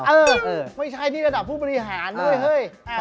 เออไม่ใช่นี่ระดับผู้บริหารเลยเฮ้ย